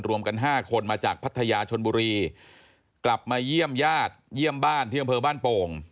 กัน๕คนมาจากพัทยาชนบุรีกลับมาเยี่ยมญาติเยี่ยมบ้านที่อำเภอบ้านโป่ง